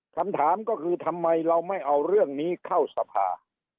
คำถามก็คือทำไมเราไม่เอาเรื่องนี้เข้าสภา